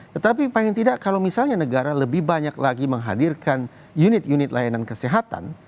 tetapi paling tidak kalau misalnya negara lebih banyak lagi menghadirkan unit unit layanan kesehatan